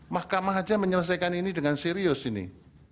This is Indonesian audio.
mahkamah saja menyelesaikan ini dengan serius ini